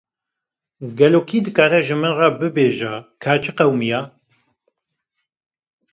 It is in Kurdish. Gelo kî dikare ji min re bibêje ka çi qewimiye?